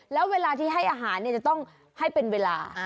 แล้วเวลาที่ให้อาหารจะต้องให้เป็นเวลา